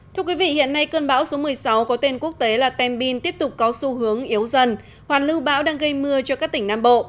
thưa quý vị hiện nay cơn bão số một mươi sáu có tên quốc tế là tem bin tiếp tục có xu hướng yếu dần hoàn lưu bão đang gây mưa cho các tỉnh nam bộ